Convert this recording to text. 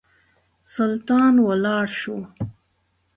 سلطان ولاړ شو.